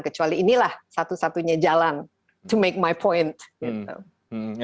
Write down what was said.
kecuali inilah satu satunya jalan untuk membuat poin saya